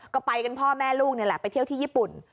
ก็ไปกันพ่อแม่ลูกนี่แหละไปเที่ยวที่ญี่ปุ่น